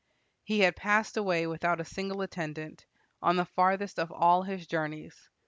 "He had passed away without a single attendant, on the farthest of all his journeys.